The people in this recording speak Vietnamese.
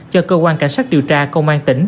cho cơ quan cảnh sát điều tra công an tỉnh